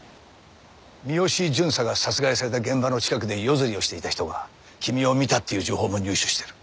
三好巡査が殺害された現場の近くで夜釣りをしていた人が君を見たっていう情報も入手してる。